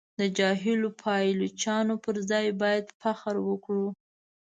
د جاهلو پایلوچانو پر ځای باید فخر وکړو.